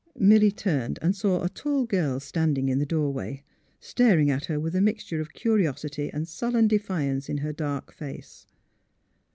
Milly turned and saw a tall girl standing in the door way, staring at her with a mixture of curios ity and sullen defiance in her dark face.